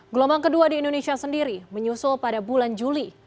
gelombang kedua di indonesia sendiri menyusul pada bulan juli